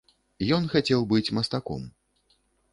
Ён хацеў быць мастком.